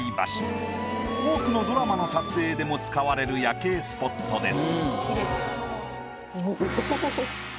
多くのドラマの撮影でも使われる夜景スポットです。